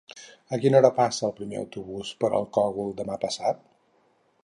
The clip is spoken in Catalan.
A quina hora passa el primer autobús per el Cogul demà passat?